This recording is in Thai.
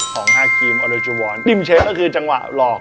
ตรงที่ดินเช็คคือจังหวะหลอก